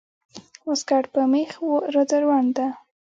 واسکټ په مېخ راځوړند ده